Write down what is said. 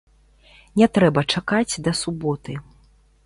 Не трэба чакаць да суботы.